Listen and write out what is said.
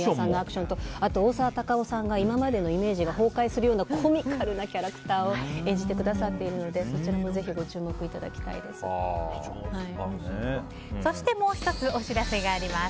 あと大沢たかおさんが今までのイメージが崩壊するようなコミカルなキャラクターを演じてくださっているのでそちらもぜひそして、もう１つお知らせがあります。